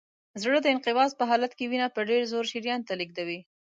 زړه د انقباض په حالت کې وینه په ډېر زور شریان ته لیږدوي.